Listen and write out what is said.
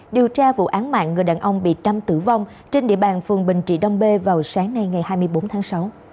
điều tra vụ án mạng người đàn ông bị trâm tử vong trên địa bàn phường bình trị đông bê vào sáng nay ngày hai mươi bốn tháng sáu